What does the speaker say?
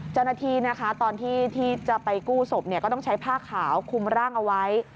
เจ้าหน้าที่นะคะตอนที่จะไปกู้ศพก็ต้องใช้ผ้าขาวคุมร่างเอาไว้